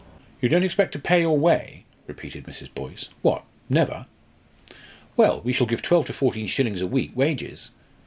"You don't expect to pay your way?" repeated Mrs. Boyce. "What, never?" "Well, we shall give twelve to fourteen shillings a week wages.